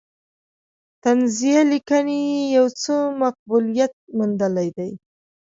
طنزیه لیکنې یې یو څه مقبولیت موندلی دی.